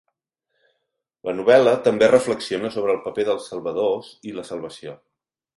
La novel·la també reflexiona sobre el paper dels salvadors i la salvació.